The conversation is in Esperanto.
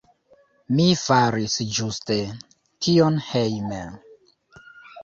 Mi faris ĝuste tion hejme.